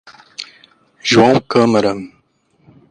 João Câmara